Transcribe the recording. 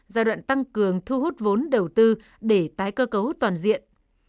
giai đoạn tăng cường thu hút vốn đầu tư để tái cơ cấu toàn diện